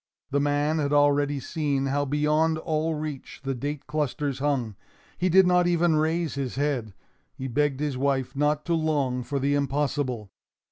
The man had already seen how beyond all reach the date clusters hung. He did not even raise his head. He begged his wife not to long for the impossible.